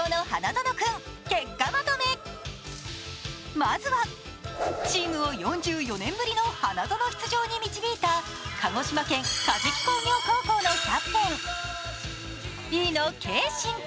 まずはチームを４４年ぶりの花園出場に導いた鹿児島県・加治木工業高校のキャプテン、飯野啓心君。